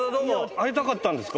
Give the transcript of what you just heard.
会いたかったんですか？